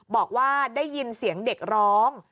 บอกว่าได้ยินเสียงเด็กร้อง